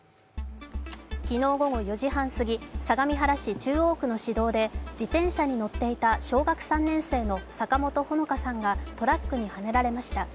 昨日午後４時半過ぎ、相模原市中央区の市道で自転車に乗っていた小学３年生の坂本穂香さんがトラックにはねられました。